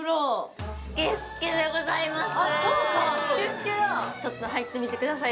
更にちょっと入ってみてください